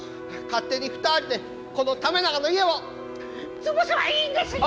勝手に２人でこの為永の家を潰せばいいんですよ！